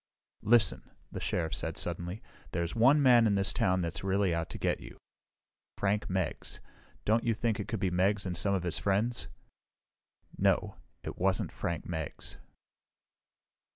"Listen," the Sheriff said suddenly, "there's one man in this town that's really out to get you: Frank Meggs. Don't you think it could be Meggs and some of his friends?" "No. It wasn't Frank Meggs."